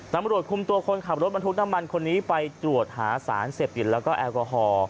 ตำรวจคุมตัวคนขับรถบรรทุกน้ำมันคนนี้ไปตรวจหาสารเสพติดแล้วก็แอลกอฮอล์